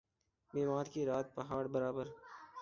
بیمار کی رات پہاڑ برابر